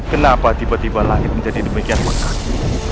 kenapa tiba tiba langit menjadi demikian berkati